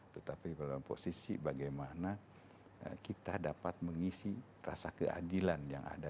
tetapi dalam posisi bagaimana kita dapat mengisi rasa keadilan yang ada